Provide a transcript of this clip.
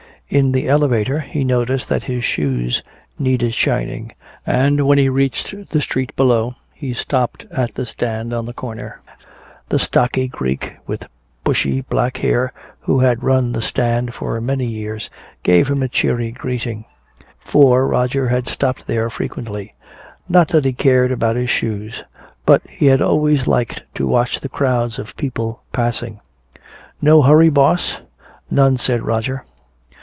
In the elevator he noticed that his shoes needed shining, and when he reached the street below he stopped at the stand on the corner. The stocky Greek with bushy black hair, who had run the stand for many years, gave him a cheery greeting; for Roger had stopped there frequently not that he cared about his shoes, but he had always liked to watch the crowds of people passing. "No hurry, boss?" "None," said Roger.